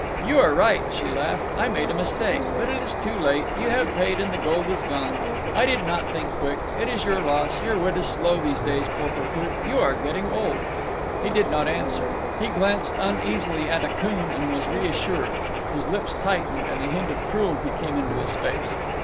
"You are right," she laughed, "I made a mistake. But it is too late. You have paid, and the gold is gone. You did not think quick. It is your loss. Your wit is slow these days, Porportuk. You are getting old." He did not answer. He glanced uneasily at Akoon, and was reassured. His lips tightened, and a hint of cruelty came into his face.